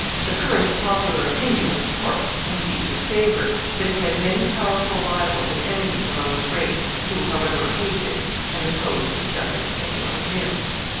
The current of popular opinion was, of course, in Caesar's favor, but he had many powerful rivals and enemies among the great, who, however, hated and opposed each other as well as him.